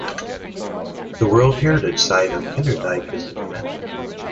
The World Heritage site of Kinderdijk is in the gemeente.